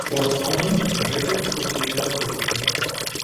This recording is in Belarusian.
У асноўным, гэта экскурсійныя аўтобусы.